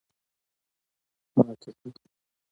ماتې کړې.